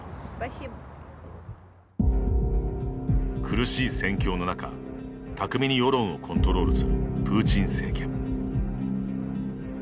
苦しい戦況の中、巧みに世論をコントロールするプーチン政権。